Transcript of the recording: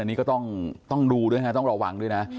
อันนี้ก็ต้องดูด้วยนะต้องระวังด้วยนะ